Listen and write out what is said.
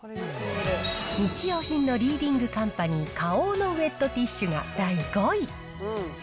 日用品のリーディングカンパニー、花王のウエットティッシュが第５位。